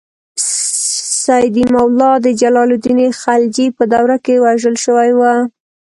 سیدي مولا د جلال الدین خلجي په دور کې وژل شوی و.